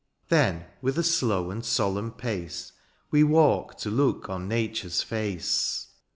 Then with a slow and solemn pace We walk to look on nature's face.